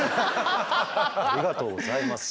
ありがとうございます。